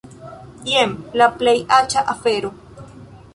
Jen la plej aĉa afero!